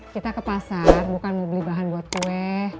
kita ke pasar bukan mau beli bahan buat kue